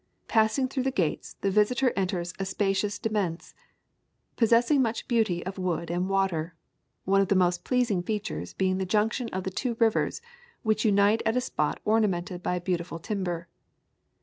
Passing through the gates the visitor enters a spacious demesne, possessing much beauty of wood and water, one of the most pleasing features being the junction of the two rivers, which unite at a spot ornamented by beautiful timber.